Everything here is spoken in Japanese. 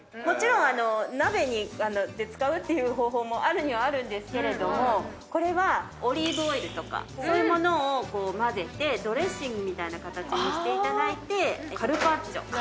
もちろん鍋で使うっていう方法もあるにはあるんですけれどもこれはオリーブオイルとかそういうものを混ぜてドレッシングみたいな形にしていただいてカルパッチョ。